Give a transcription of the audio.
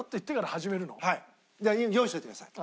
用意しといてください。